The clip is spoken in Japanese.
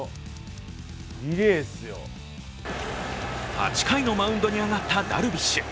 ８回のマウンドに上がったダルビッシュ。